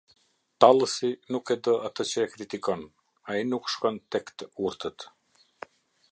Tallësi nuk e do atë që e kritikon; ai nuk shkon tek të urtët.